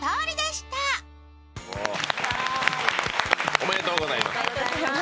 おめでとうございます。